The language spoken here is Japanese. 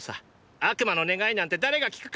「悪魔の願いなんて誰が聞くか」